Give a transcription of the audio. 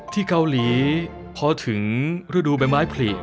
ที่เกาหลีพอถึงฤดูใบไม้ผลิ